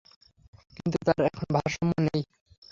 কিন্তু তার এখন ভারসাম্য নেই!